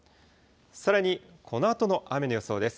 さらにこのあとの雨の予想です。